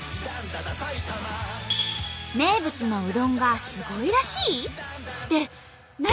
名物のうどんがすごいらしい？って何？